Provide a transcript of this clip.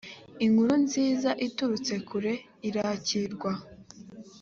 inkuru nziza iturutse kure irakirwa